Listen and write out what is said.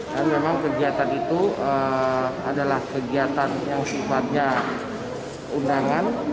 dan memang kegiatan itu adalah kegiatan yang sifatnya undangan